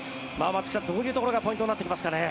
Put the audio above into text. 松木さん、どういうところがポイントになってきますかね。